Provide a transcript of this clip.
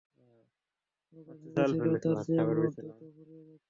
ও যা ভেবেছিল তার চেয়ে মদ দ্রুত ফুরিয়ে যাচ্ছে।